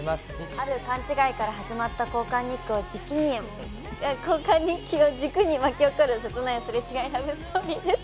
ある勘違いから始まった交換日記を軸に巻き起こる切ないすれ違いラブストーリーです。